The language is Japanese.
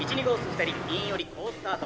２人イン寄り好スタート。